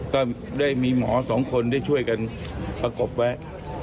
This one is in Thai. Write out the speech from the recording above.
ก็ได้มีหมอสองคนได้ช่วยกันประกบไว้